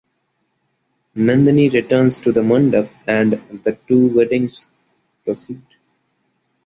Nandini returns to the mandap and the two weddings proceed.